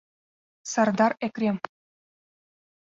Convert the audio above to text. Сардар-екрем.